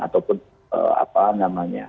ataupun apa namanya